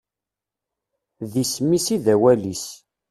D isem-is i d awal-is.